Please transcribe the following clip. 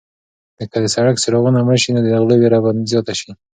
که د سړک څراغونه مړه شي نو د غلو وېره به زیاته شي.